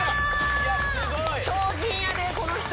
超人やでこの人。